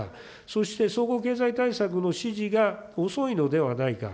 そして、総合経済対策の指示が遅いのではないか。